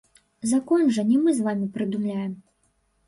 Закон жа не мы з вамі прыдумляем.